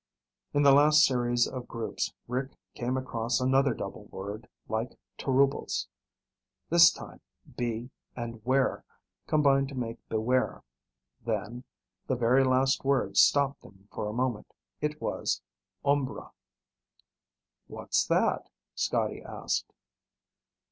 In the last series of groups Rick came across another double word like "tarubles." This time, "be" and "ware" combined to make "beware." Then, the very last word stopped them for a moment. It was "umbra." "What's that?" Scotty asked.